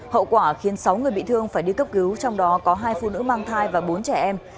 hậu quả khiến sáu người bị thương phải đi cấp cứu trong đó có hai phụ nữ mang thai và bốn trẻ em